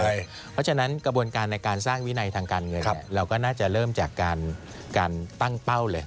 เพราะฉะนั้นกระบวนการในการสร้างวินัยทางการเงินเราก็น่าจะเริ่มจากการตั้งเป้าเลย